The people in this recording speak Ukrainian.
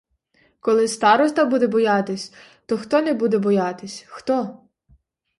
Коли староста буде боятись, то хто не буде боятись, хто?